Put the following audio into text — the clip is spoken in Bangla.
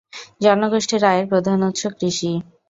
জনগোষ্ঠীর আয়ের প্রধান উৎস কৃষি।